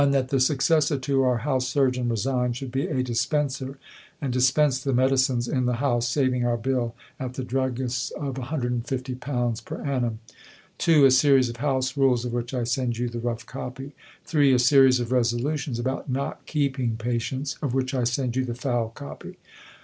That the successor to our House Surgeon (resigned) should be a dispenser, and dispense the medicines in the house, saving our bill at the druggist's of £150 per annum. 2. A series of House Rules, of which I send you the rough copy. 3. A series of resolutions about not keeping patients, of which I send you the foul copy.